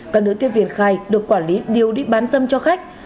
các nữ tiếp viên khai được quản lý điều đi bán dâm cho khách